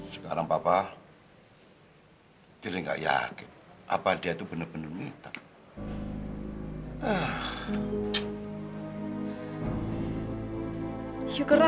sampai jumpa di video selanjutnya